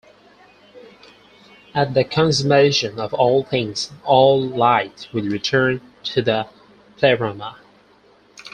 At the consummation of all things all light will return to the Pleroma.